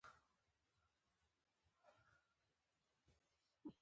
زه کورنۍ ته احترام لرم.